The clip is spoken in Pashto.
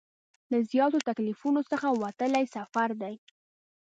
له زیاتو تکلیفونو څخه وتلی سفر دی.